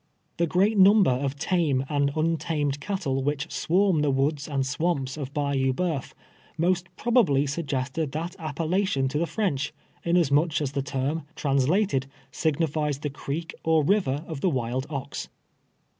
The great number of tame and nntamed cattle which swarm the woods and swamps of Bayou Boeuf, most probaldy suggested that appellation to the French, inasmuch as the term, translated, signifies the creek or river of the wild ox.